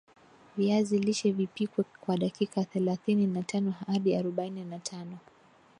viazi lishe vipikwe kwa dakika thelathini na tano hadi arobaini na tano